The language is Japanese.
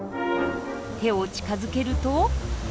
手を近づけると。